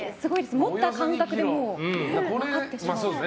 持った感覚で分かってしまう。